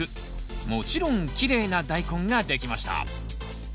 もちろんきれいなダイコンができました。